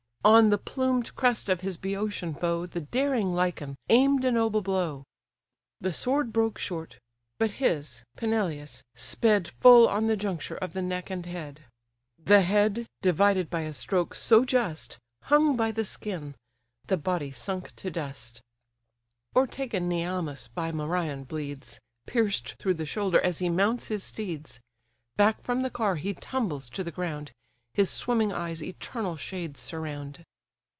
On the plumed crest of his Bœotian foe The daring Lycon aim'd a noble blow; The sword broke short; but his, Peneleus sped Full on the juncture of the neck and head: The head, divided by a stroke so just, Hung by the skin; the body sunk to dust. O'ertaken Neamas by Merion bleeds, Pierced through the shoulder as he mounts his steeds; Back from the car he tumbles to the ground: His swimming eyes eternal shades surround.